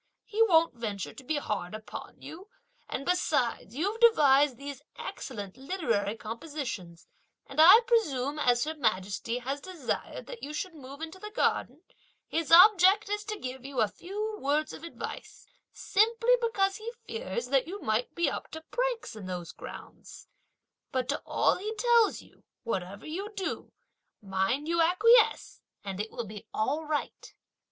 He won't venture to be hard upon you; and besides, you've devised these excellent literary compositions; and I presume as Her Majesty has desired that you should move into the garden, his object is to give you a few words of advice; simply because he fears that you might be up to pranks in those grounds. But to all he tells you, whatever you do, mind you acquiesce and it will be all right!"